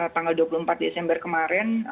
tanggal dua puluh empat desember kemarin